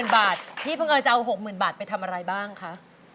๖๐๐๐๐บาทพี่เพิ่งเอา๖๐๐๐๐บาทไปทำอะไรบ้างคะ